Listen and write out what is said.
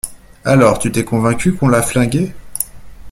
Alors ? Tu t’es convaincu qu’on l’a flingué ?